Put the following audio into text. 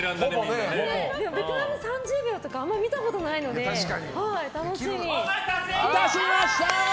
ベテランの３０秒とかあんまり見たことないのでお待たせいたしました！